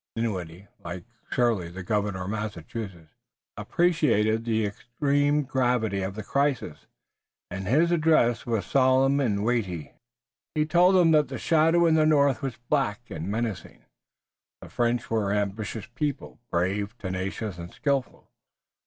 Dinwiddie, like Shirley, the governor of Massachusetts, appreciated the extreme gravity of the crisis, and his address was solemn and weighty. He told them that the shadow in the north was black and menacing. The French were an ambitious people, brave, tenacious and skillful.